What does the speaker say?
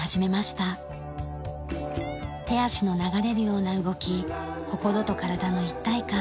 手足の流れるような動き心と体の一体感